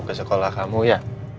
ke sekolah kamu ya